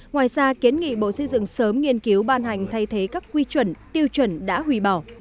ngoài ra kiến nghị bộ xây dựng sớm nghiên cứu ban hành thay thế các quy chuẩn tiêu chuẩn đã hủy bỏ